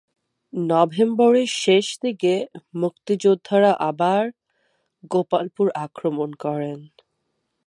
নভেম্বরের শেষ দিকে মুক্তিযোদ্ধারা আবার গোপালপুর আক্রমণ করেন।